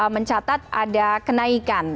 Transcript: mencatat ada kenaikan